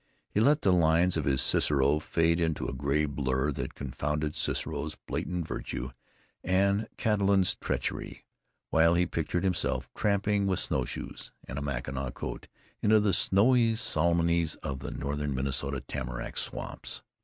He let the lines of his Cicero fade into a gray blur that confounded Cicero's blatant virtue and Cataline's treachery, while he pictured himself tramping with snow shoes and a mackinaw coat into the snowy solemnities of the northern Minnesota tamarack swamps.